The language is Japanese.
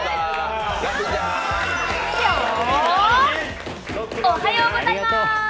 ピョーン、おはようございます。